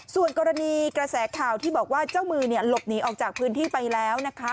ส่วนกรณีกระแสข่าวที่บอกว่าเจ้ามือหลบหนีออกจากพื้นที่ไปแล้วนะคะ